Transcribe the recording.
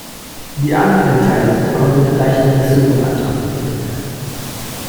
Die andere Beteiligte konnte mit leichten Blessuren abtransportiert werden.